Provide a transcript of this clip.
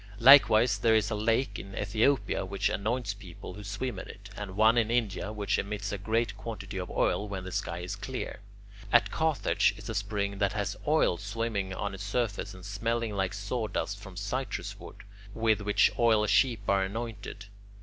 Likewise there is a lake in Ethiopia which anoints people who swim in it, and one in India which emits a great quantity of oil when the sky is clear. At Carthage is a spring that has oil swimming on its surface and smelling like sawdust from citrus wood, with which oil sheep are anointed.